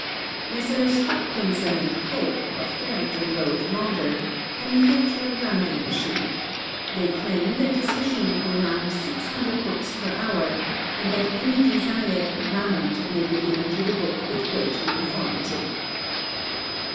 Messrs. Hopkinson and Cope, of Farringdon Road, London, manufacture a rounding machine. They claim that this machine will round 600 books per hour, and that any desired "round" may be given to the book with great uniformity.